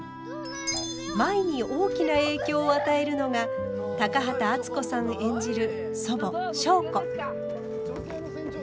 舞に大きな影響を与えるのが高畑淳子さん演じる祖母祥子。